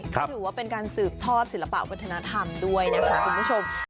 ก็ถือว่าเป็นการสืบทอดศิลปะวัฒนธรรมด้วยนะคะคุณผู้ชม